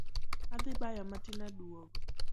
Adhi bayo matin aduogo